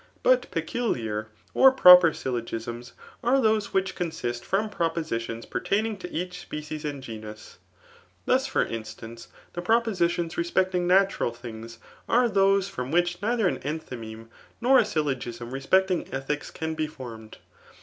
But peculiar or proper syllogisms tre those which consist from propositions pertaining to «ich species and genus. Thus, for instance, the propo CBAP. III. RHBTORK*. 17 adons respecdfig natural things are those from whidi neither an enthymeme nor a syllogism respecting ethics can be formed.